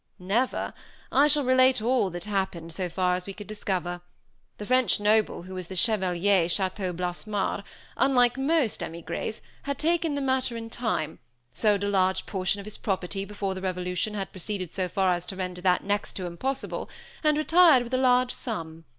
"Never! I shall relate all that happened, so far as we could discover. The French noble, who was the Chevalier Chateau Blassemare, unlike most émigrés had taken the matter in time, sold a large portion of his property before the revolution had proceeded so far as to render that next to impossible, and retired with a large sum.